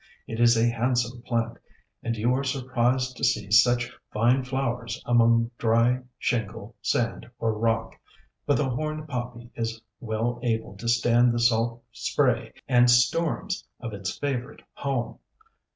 It is a handsome plant, and you are surprised to see such fine flowers among dry shingle, sand, or rock; but the Horned Poppy is well able to stand the salt spray and storms of its favourite home.